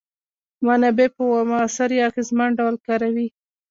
منابع په موثر یا اغیزمن ډول کاروي.